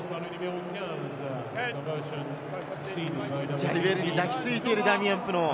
ジャリベールに抱きついているダミアン・プノー。